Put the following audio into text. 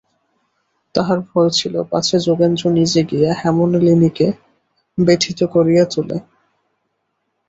তাঁহার ভয় ছিল, পাছে যোগেন্দ্র নিজে গিয়া হেমনলিনীকে ব্যথিত করিয়া তোলে।